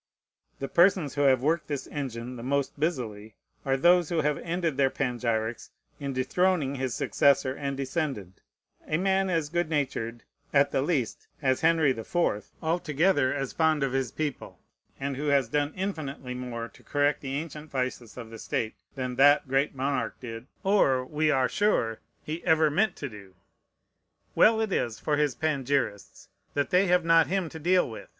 The persons who have worked this engine the most busily are those who have ended their panegyrics in dethroning his successor and descendant: a man as good natured, at the least, as Henry the Fourth; altogether as fond of his people; and who has done infinitely more to correct the ancient vices of the state than that great monarch did, or we are sure he ever meant to do. Well it is for his panegyrists that they have not him to deal with!